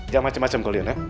jangan macem macem kalian ya